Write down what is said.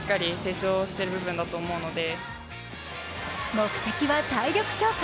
目的は体力強化。